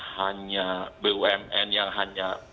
hanya bumn yang hanya